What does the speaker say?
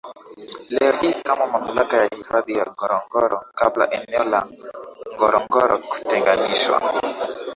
leo hii kama mamlaka ya hifadhi ya Ngorongoro kabla eneo la Ngorongoro kutenganishwa